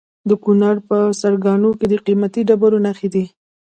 د کونړ په سرکاڼو کې د قیمتي ډبرو نښې دي.